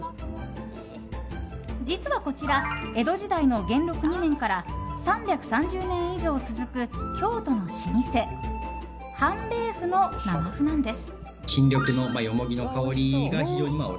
実はこちら江戸時代の元禄２年から３３０年以上続く京都の老舗半兵衛麩の生麩なんです。